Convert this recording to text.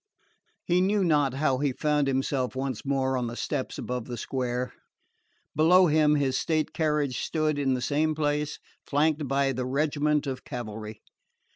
He knew not how he found himself once more on the steps above the square. Below him his state carriage stood in the same place, flanked by the regiment of cavalry.